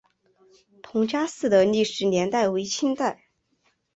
彭家祠的历史年代为清代。